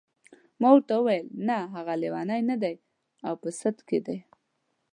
ما ورته وویل نه هغه لیونی نه دی او په سد کې دی.